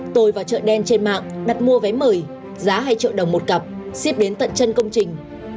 tôi vào chợ đen trên mạng đặt mua vé mời giá hai triệu đồng một cặp xếp đến tận chân công trình